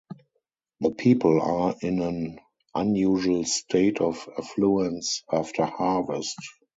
The people are in an unusual state of affluence after harvest.